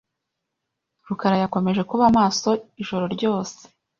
rukarayakomeje kuba maso ijoro ryose.